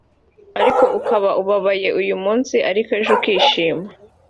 ariko ukaba ubabaye uyu munsi ariko ejo ukishima